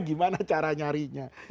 gimana cara nyarinya